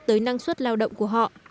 tới năng suất lao động của họ